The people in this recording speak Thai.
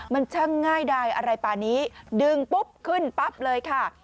มันช่างง่ายดายอะไรป่านี้ดึงปุ๊บขึ้นปั๊บเลยค่ะ